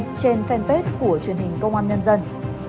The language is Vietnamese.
hãy chia sẻ với chúng tôi trên fanpage của truyền hình công an nhân dân